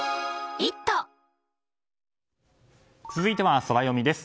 続いては、ソラよみです。